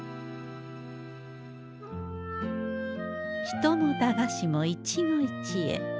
人も駄菓子も一期一会。